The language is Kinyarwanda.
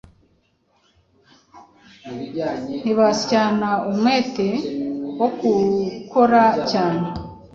ntibasyana umwete.wogukora cyane